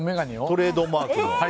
トレードマークの。